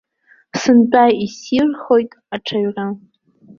Сынтәа иссирхоит аҽаҩра!